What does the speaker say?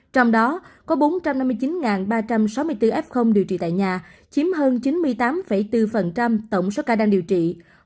trong đó có bốn trăm năm mươi chín ba trăm sáu mươi bốn f điều trị tại nhà chiếm hơn chín mươi tám bốn tổng số ca đang điều trị